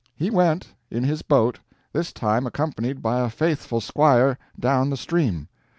He went, in his boat, this time accompanied by a faithful squire, down the stream.